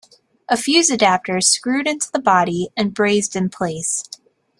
A fuze adapter is screwed into the body and brazed in place.